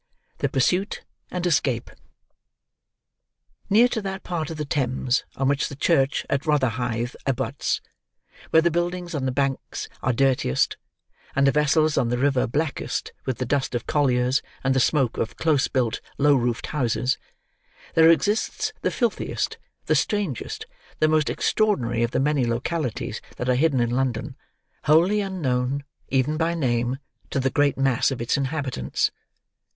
THE PURSUIT AND ESCAPE Near to that part of the Thames on which the church at Rotherhithe abuts, where the buildings on the banks are dirtiest and the vessels on the river blackest with the dust of colliers and the smoke of close built low roofed houses, there exists the filthiest, the strangest, the most extraordinary of the many localities that are hidden in London, wholly unknown, even by name, to the great mass of its inhabitants.